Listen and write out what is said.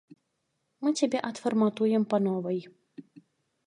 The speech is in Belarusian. Мы цябе адфарматуем па новай.